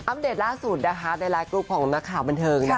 อัปเดตล่าสุดในหลายกรุ๊ปของนักข่าวบันเทิง